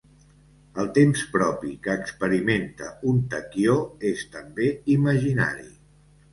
El temps propi que experimenta un taquió és també imaginari.